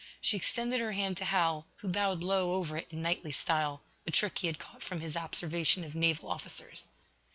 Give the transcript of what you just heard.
She extended her hand to Hal, who bowed low over it in knightly style a trick he had caught from his observation of naval officers.